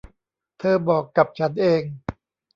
เธอบอกกับฉันเอง